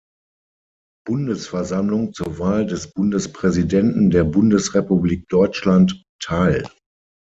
Bundesversammlung zur Wahl des Bundespräsidenten der Bundesrepublik Deutschland teil.